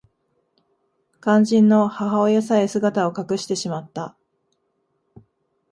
肝心の母親さえ姿を隠してしまった